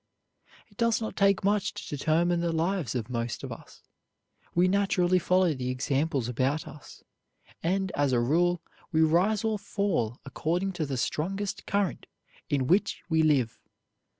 It does not take much to determine the lives of most of us. We naturally follow the examples about us, and, as a rule, we rise or fall according to the strongest current in which we live.